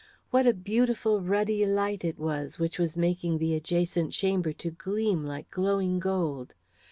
What a beautiful ruddy light it was, which was making the adjacent chamber to gleam like glowing gold!